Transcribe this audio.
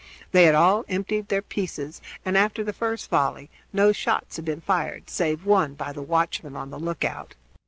They had all emptied their pieces, and after the first volley no shots had been fired save one by the watchman on the lookout.